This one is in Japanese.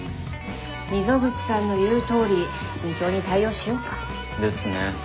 溝口さんの言うとおり慎重に対応しようか。ですね。